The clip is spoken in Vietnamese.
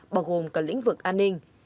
bao gồm cả lĩnh vực an ninh